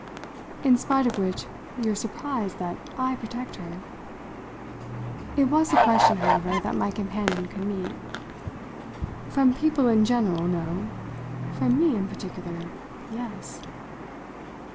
"In spite of which you're surprised that I 'protect' her?" It was a question, however, that my companion could meet. "From people in general, no. From me in particular, yes."